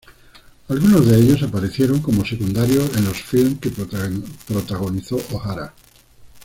Algunos de ellos aparecieron como secundarios en los films que protagonizó O'Hara.